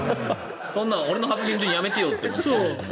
そんなの俺の発言中やめてよ。